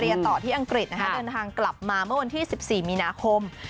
ต่อที่อังกฤษเดินทางกลับมาเมื่อวันที่๑๔มีนาคม